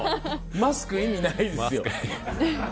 マスク意味ないですよ。